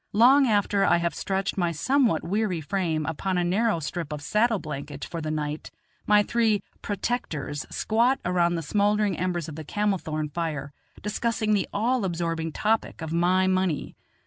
Long after I have stretched my somewhat weary frame upon a narrow strip of saddle blanket for the night, my three "protectors" squat around the smouldering embers of the camel thorn fire, discussing the all absorbing topic of my money.